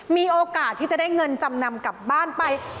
มีโอกาสที่จะได้เงินจำนำกลับบ้านไป